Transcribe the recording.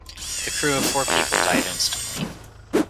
The crew of four people died instantly.